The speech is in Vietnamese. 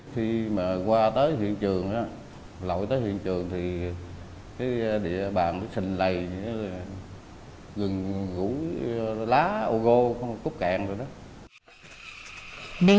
khi mà qua tới hiện trường lội tới hiện trường thì địa bàn nó xình lầy gừng gũi lá ô gô cút cạn rồi đó